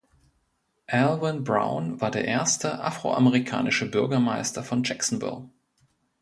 Alvin Brown war der erste Afroamerikanische Bürgermeister von Jacksonville.